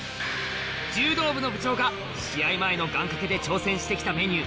柔道部の部長が試合前の願掛けで挑戦して来たメニュー